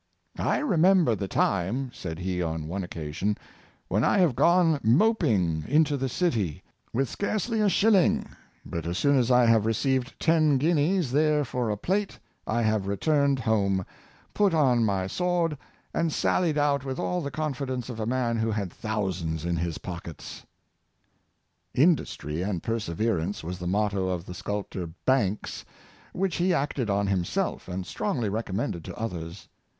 " I remember the time," said he on one occa sion, " when I have gone moping into the city with scarce a shilling, but as soon as I have received ten guineas there for a plate, I have returned home, put on my sword, and salHed out with all the confidence of a man who had thousands in his pockets." " Industry and perseverance " was the motto of the sculptor Banks, which he acted on himself, and strongly recommended to others.